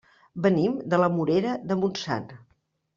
Venim de la Morera de Montsant.